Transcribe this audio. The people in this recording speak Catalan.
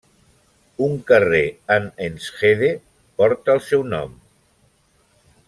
Un carrer en Enschede porta el seu nom.